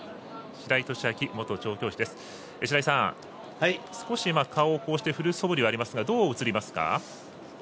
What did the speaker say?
白井さん、少し顔を振るそぶりがありますがどう映りますか？